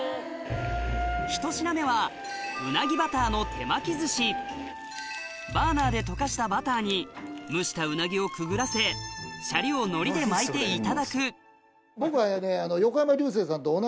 ひと品目はうなぎバターの手巻き寿司バーナーで溶かしたバターに蒸したうなぎをくぐらせシャリをのりで巻いていただく僕はね。